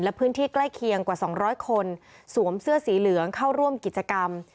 และพื้นที่ใกล้เคียงกว่า๒๐๐คนสวมเสื้อสีเหลืองเข้าร่วมกิจกรรม